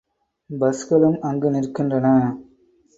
பஸ்களும் அங்கு நிற்கின்றன.